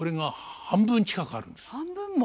半分も。